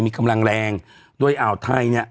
มีกำลังแรงโดยอ่าวไทย